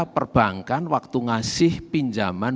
perbankan waktu ngasih pinjaman